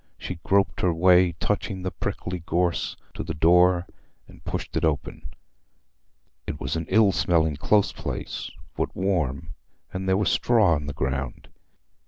She groped her way, touching the prickly gorse, to the door, and pushed it open. It was an ill smelling close place, but warm, and there was straw on the ground.